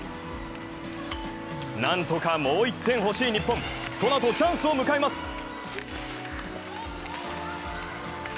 なんとかもう一点ほしい日本、このあとチャンスを迎えます。